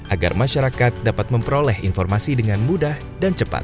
agar masyarakat dapat memperoleh informasi dengan mudah dan cepat